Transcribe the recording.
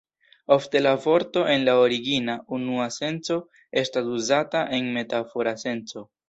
Ofte la vorto en la origina, unua senco estas uzata en metafora senco.